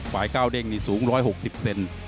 ก้าวเด้งนี่สูง๑๖๐เซน